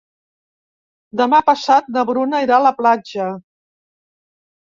Demà passat na Bruna irà a la platja.